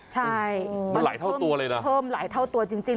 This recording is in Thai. ใช่มันไหลเท่าตัวเลยน่ะเพิ่มไหลเท่าตัวจริงจริง